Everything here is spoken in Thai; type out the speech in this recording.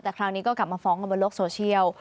แต่คราวนี้ก็กลับมาฟ้องกันบนโลกโซเชียล